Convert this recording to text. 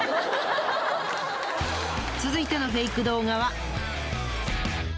続いてのフェイク動画は。